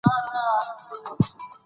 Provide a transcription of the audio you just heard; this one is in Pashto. ای ایل ایچ درې میاشتنی ژورنال دی.